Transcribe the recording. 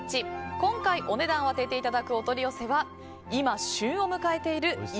今回お値段を当てていただくお取り寄せは今、旬を迎えている活